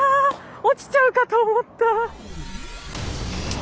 落ちちゃうかと思った。